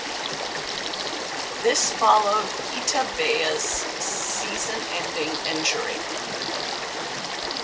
This followed Ita Vaea's season-ending injury.